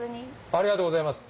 ありがとうございます。